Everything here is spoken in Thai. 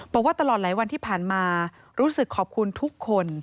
บอกว่าตลอดหลายวันที่ผ่านมารู้สึกขอบคุณทุกคน